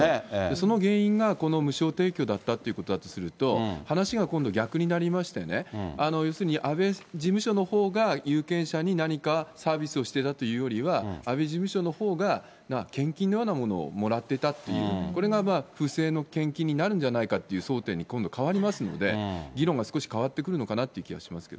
その原因が、この無償提供だったっていうことだとすると、話が今度、逆になりましてね、要するに安倍事務所のほうが有権者に何かサービスをしていたというよりは、安倍事務所のほうが献金のようなものをもらってたっていう、これが不正の献金になるんじゃないかっていう争点に今度変わりますんで、議論が少し変わってくるのかなっていう気がしますね。